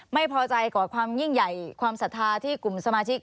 ไม่พอใจก่อความยิ่งใหญ่ความศรัทธาที่กลุ่มสมาชิก